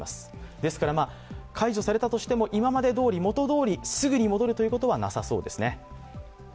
ですから、解除されたとしても今までどおり、元どおりすぐに戻るということはなさそうですね。